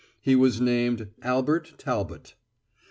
He was named Albert Talbot.